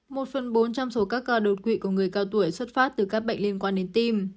một phần bốn trong số các ca đột quỵ của người cao tuổi xuất phát từ các bệnh liên quan đến tim